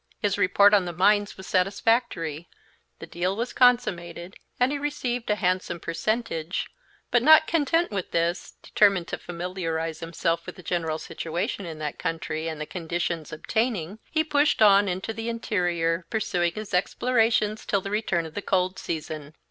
His report on the mines was satisfactory, the deal was consummated, and he received a handsome percentage, but not content with this, determined to familiarize himself with the general situation in that country and the conditions obtaining, he pushed on into the interior, pursuing his explorations till the return of the cold season.